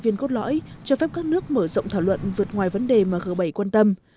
viên cốt lõi cho phép các nước mở rộng thảo luận vượt ngoài vấn đề mà g bảy quan tâm